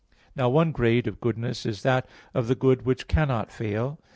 Now, one grade of goodness is that of the good which cannot fail.